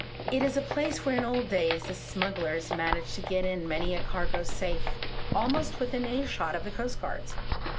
It is a place where in old days the smugglers managed to get in many a cargo safe, almost within earshot of the coastguards.